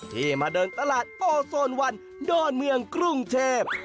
ที่มาเดินตลาดโอโซนวันดอนเมืองกรุงเทพ